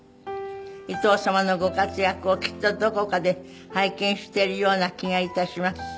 「伊東様のご活躍をきっとどこかで拝見しているような気が致します」